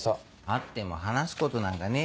会っても話すことなんかねえよ。